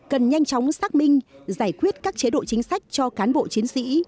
cần nhanh chóng xác minh giải quyết các chế độ chính sách cho cán bộ chiến sĩ